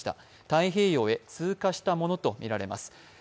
太平洋へ通過したものとみられます。